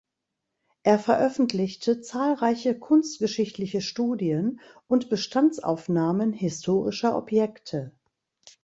Er veröffentlichte zahlreiche kunstgeschichtliche Studien und Bestandsaufnahmen historischer Objekte.